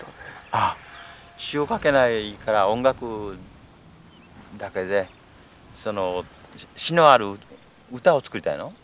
ああ詞を書けないから音楽だけで詞のある歌を作りたいの？